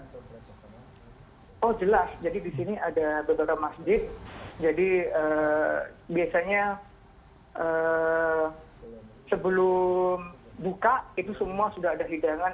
oh jelas jadi di sini ada beberapa masjid jadi biasanya sebelum buka itu semua sudah ada hidangan